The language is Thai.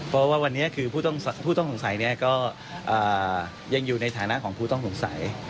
เพราะว่าวันนี้คือผู้ต้องสงสัยก็ยังอยู่ในฐานะของผู้ต้องสงสัย